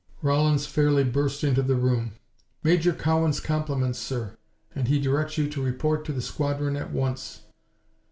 Rawlins fairly burst into the room. "Major Cowan's compliments, sir, and he directs you to report to the squadron at once."